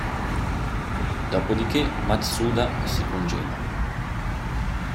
Dopo di che Matsuda si congeda.